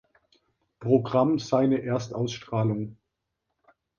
Programm seine Erstausstrahlung.